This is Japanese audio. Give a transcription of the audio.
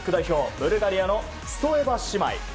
ブルガリアのストエバ姉妹。